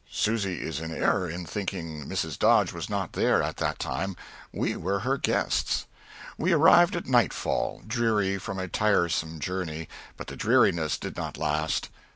Susy is in error in thinking Mrs. Dodge was not there at that time; we were her guests. We arrived at nightfall, dreary from a tiresome journey; but the dreariness did not last.